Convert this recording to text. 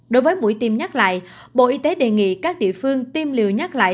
đối với mũi tiêm nhắc lại bộ y tế đề nghị các địa phương tiêm liều nhắc lại